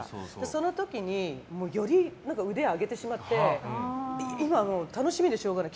その時により腕を上げてしまって今は楽しみでしょうがない。